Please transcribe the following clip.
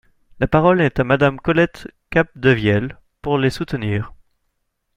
La parole est à Madame Colette Capdevielle, pour les soutenir.